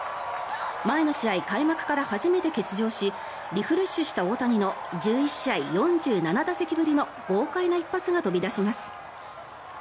前の試合、開幕から初めて欠場しリフレッシュした大谷の１１試合４７打席ぶりの豪快な一発が飛び出します。